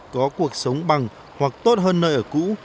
có cuộc sống bằng hoặc tốt hơn nơi ở cũ